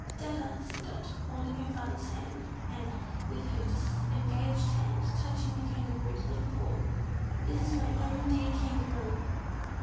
"Dadda," said Dot, holding her father's hand, and, with her disengaged hand touching the Kangaroo's little paw. "This is my own dear Kangaroo."